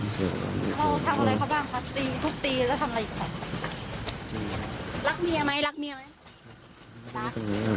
สะพาน